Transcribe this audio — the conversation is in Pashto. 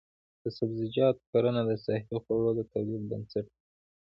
د سبزیجاتو کرنه د صحي خوړو د تولید بنسټ دی.